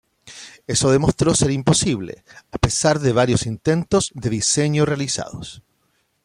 Eso demostró ser imposible, a pesar de varios intentos de diseño realizados.